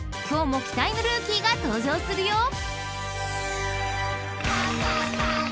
今日も期待のルーキーが登場するよ］